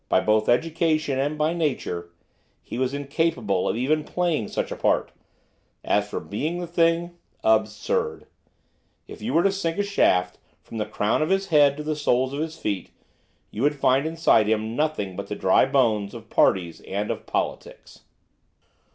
Both by education, and by nature, he was incapable of even playing such a part; as for being the thing, absurd! If you were to sink a shaft from the crown of his head to the soles of his feet, you would find inside him nothing but the dry bones of parties and of politics.